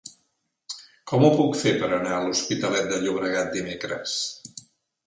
Com ho puc fer per anar a l'Hospitalet de Llobregat dimecres?